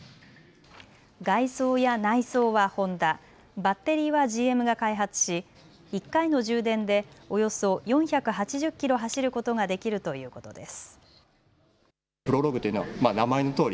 外装や内装はホンダ、バッテリーはＧＭが開発し１回の充電でおよそ４８０キロ走ることができるということです。